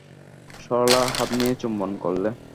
সরলার হাত নিয়ে চুম্বন করলে।